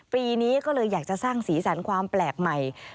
ปีนี้ก็เลยอยากจะสร้างสีสันความแปลกใหม่